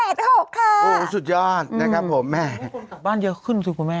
โอ้โหสุดยอดนะครับผมแม่บ้านเยอะขึ้นสิคุณแม่